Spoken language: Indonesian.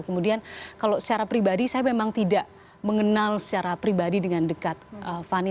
kemudian kalau secara pribadi saya memang tidak mengenal secara pribadi dengan dekat fani